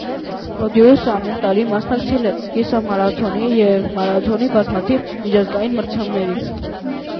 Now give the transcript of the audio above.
Պրոդիուսը ամեն տարի մասնակցել է կիսամարաթոնի և մարաթոնի բազմաթիվ միջազգային մրցումներին։